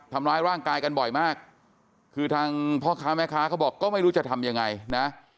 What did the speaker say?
ทำร้ายร่างกายกันบ่อยมากคือทางพ่อค้าแม่ค้าเขาบอกก็ไม่รู้จะทำยังไงนะ